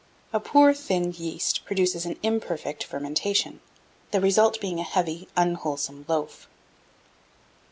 A poor thin yeast produces an imperfect fermentation, the result being a heavy unwholesome loaf.